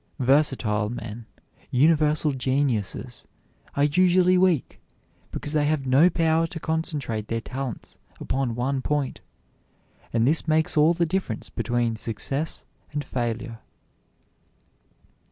Versatile men, universal geniuses, are usually weak, because they have no power to concentrate their talents upon one point, and this makes all the difference between success and failure.